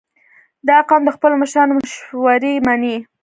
• دا قوم د خپلو مشرانو مشورې منې.